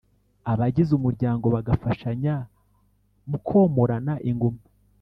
abagize umuryango bagafashanya mu komorana inguma